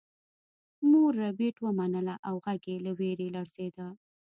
مور ربیټ ومنله او غږ یې له ویرې لړزیده